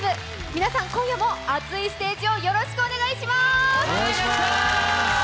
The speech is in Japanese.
皆さん、今夜も熱いステージをよろしくお願いします。